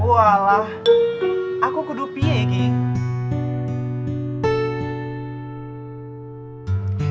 walah aku kedupinya ya kini